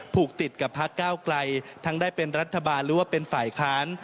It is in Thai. ผูกติดกับพักเก้าไกลทั้งได้เป็นรัฐบาลหรือว่าเป็นฝ่ายค้าน